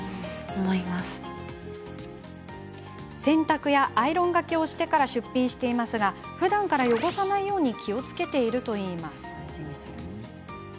洗濯やアイロンがけをしてから出品していますがふだんから汚さないように気をつけているといいます。